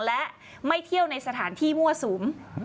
และไม่เที่ยวในสถานที่มั่วสุม